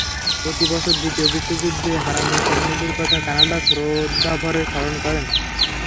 প্রতি বছর দ্বিতীয় বিশ্বযুদ্ধে হারানো সৈন্যদের কথা কানাডা শ্রদ্ধাভরে স্মরণ করে।